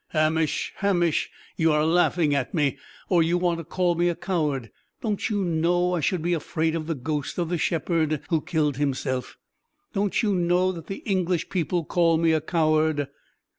'" "Hamish, Hamish, you are laughing at me! Or you want to call me a coward? Don't you know I should be afraid of the ghost of the shepherd who killed himself? Don't you know that the English people call me a coward?"